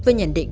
với nhận định